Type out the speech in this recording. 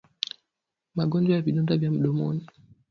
Magonjwa ya vidonda vya mdomoni